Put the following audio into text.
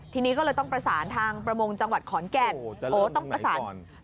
ทีนี้ก็เลยต้องประสานทางประมงจังหวัดขอนแก่ตโอ้โหจะเริ่มทางไหนก่อน